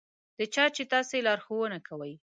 د چا چې تاسې لارښوونه کوئ.